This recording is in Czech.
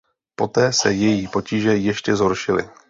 Poté se její potíže ještě zhoršily.